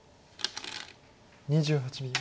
２８秒。